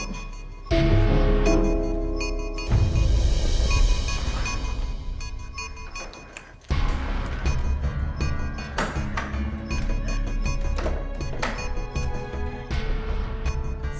tidak ada yang bisa diberikan kepadamu